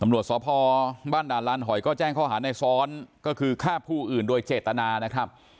สพบ้านด่านลานหอยก็แจ้งข้อหาในซ้อนก็คือฆ่าผู้อื่นโดยเจตนานะครับ